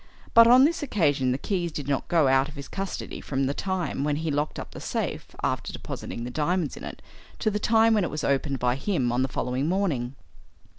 But on this occasion the keys did not go out of his custody from the time when he locked up the safe, after depositing the diamonds in it, to the time when it was opened by him on the following morning."